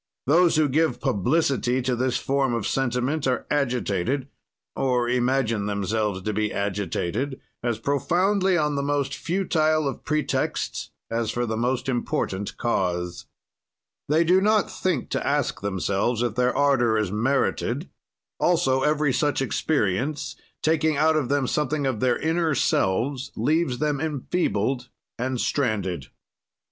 "Those who give publicity to this form of sentiment are agitated (or imagine themselves to be agitated) as profoundly on the most futile of pretexts as for the most important cause. "They do not think to ask themselves if their ardor is merited; also every such experience, taking out of them something of their inner selves, leaves them enfeebled and stranded.